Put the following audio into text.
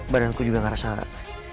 badanku juga ngerasa re field